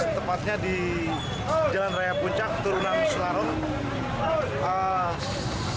setepatnya di jalan raya puncak turunan selarong